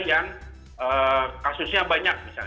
yang kasusnya banyak